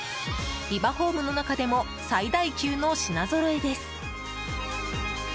ビバホームの中でも最大級の品ぞろえです。